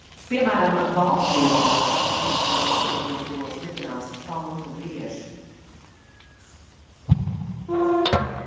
Piemēram, Baltkrievijā es esmu bijis pie aplokiem, kuros mitinās pantu brieži.